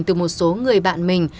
từ một số người bạn mình